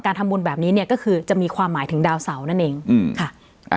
ทำบุญแบบนี้เนี่ยก็คือจะมีความหมายถึงดาวเสานั่นเองอืมค่ะอ่า